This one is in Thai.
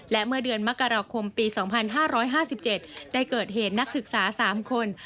และเมื่อเดือนมกราคมปี๒๕๕๗ได้เกิดเหตุนักศึกษา๓คน